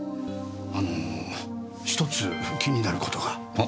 あの１つ気になる事が。は？